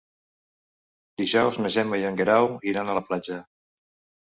Dijous na Gemma i en Guerau iran a la platja.